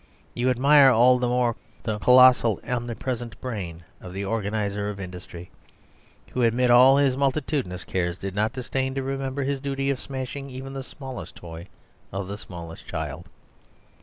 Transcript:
You admire all the more the colossal and Omnipresent Brain of the Organiser of Industry, who amid all his multitudinous cares did not disdain to remember his duty of smashing even the smallest toy of the smallest child.